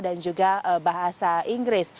dan juga bahasa inggris